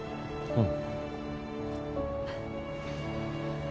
うん。